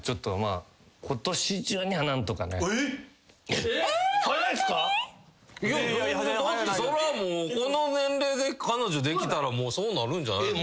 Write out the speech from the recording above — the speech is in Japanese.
だってそれはもうこの年齢で彼女できたらそうなるんじゃないの？